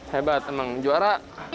hebat emang juara